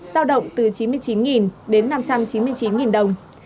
giao động từ chín mươi chín đến năm trăm chín mươi chín đồng